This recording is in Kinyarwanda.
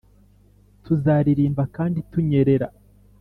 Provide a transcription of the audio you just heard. tuzaririmba kandi tunyerera